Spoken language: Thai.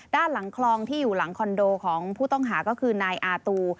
ด้านหลังคลองที่อยู่หลังคอนโดของผู้ต้องหาก็คือนายอาตู